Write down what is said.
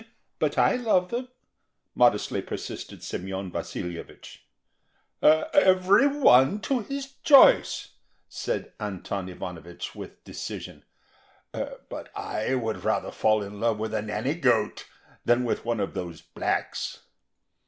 "But I love them," modestly persisted Semyon Vasilyevich. "Every one to his choice," said Anton Ivanovich with decision; "but I would rather fall in love with a nanny goat than with one of those blacks."